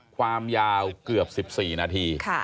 ความยาวเกือบ๑๔นาที